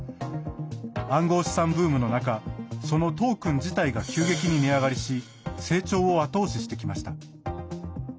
暗号資産ブームの中そのトークン自体が急激に値上がりし成長を後押ししてきました。